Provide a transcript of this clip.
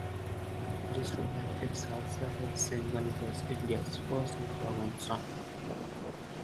This romantic salsa hit single was India's first number-one song.